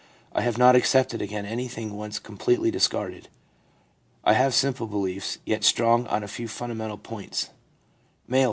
I have not accepted again anything once com pletely discarded. I have simple beliefs, yet strong on a few fundamental points/ M., 30.